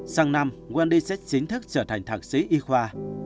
sáng năm wendy sẽ chính thức trở thành thạc sĩ y khoa